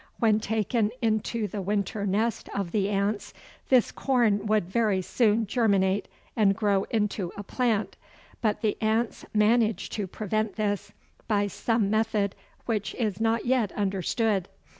When taken into the winter nest of the ants this corn would very soon germinate and grow into a plant, but the ants manage to prevent this by some method which is not yet understood.